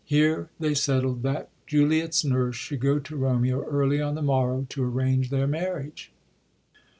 Here they settled that Juliet's nurse should go to Romeo early on the morrow to arrange their marriage.